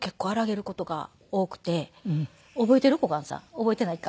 覚えていないか。